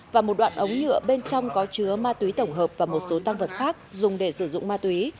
và một đoạn ống nhựa bên trong có chứa ma túy tổng hợp và một số tăng vật khác dùng để sử dụng ma túy